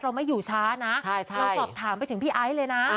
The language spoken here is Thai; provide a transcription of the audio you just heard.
เราไม่อยู่ช้านะเราสอบถามไปถึงพี่ไอซ์เลยนะ